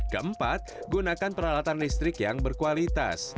keempat gunakan peralatan listrik yang berkualitas